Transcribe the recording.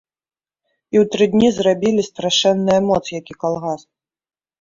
І ў тры дні зрабілі страшэнная моц які калгас!